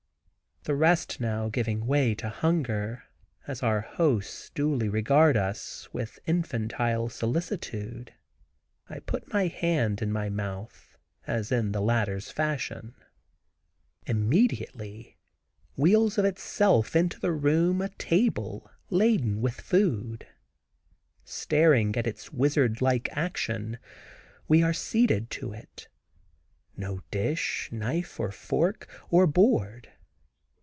The rest now giving way to hunger, as our hosts duly regard us with infantile solicitude, I put my hand in my mouth, as in the latter's fashion. Immediately wheels of itself into the room a table laden with food. Staring at its wizard like action, we are seated to it. No dish, knife or fork, or board.